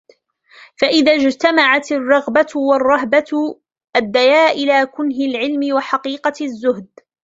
فَإِذَا اجْتَمَعَتْ الرَّغْبَةُ وَالرَّهْبَةُ أَدَّيَا إلَى كُنْهِ الْعِلْمِ وَحَقِيقَةِ الزُّهْدِ